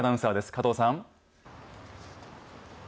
加藤さん。